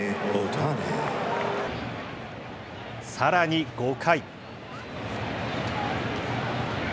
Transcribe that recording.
さらに５回。